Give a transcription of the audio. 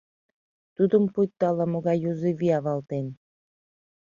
Тудым пуйто ала-могай юзо вий авалтен.